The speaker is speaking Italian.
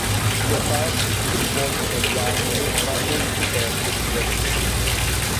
Le parti che si vogliono bianche vanno ricoperte di vernice.